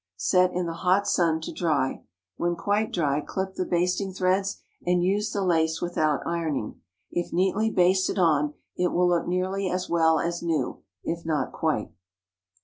Set in the hot sun to dry. When quite dry, clip the basting threads, and use the lace without ironing. If neatly basted on, it will look nearly as well as new—if not quite.